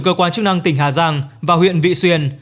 cơ quan chức năng tỉnh hà giang và huyện vị xuyên